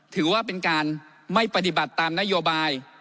ถือว่าเป็นการไม่ปฏิบัติตามนโยบาย